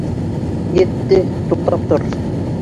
Етте, туҡтап тор!